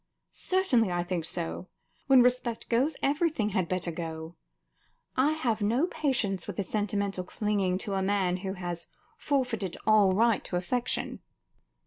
"Certainly, I think so. When respect goes, everything had better go. I have no patience with the sentimental clinging to a man who has forfeited all right to affection."